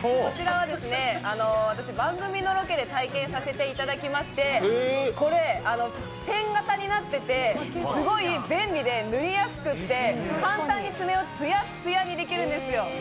こちらは、私、番組のロケで体験させていただきましてこれ、ペン型になっていてすごい便利で塗りやすくて簡単に爪をツヤッツヤにできるんですよ。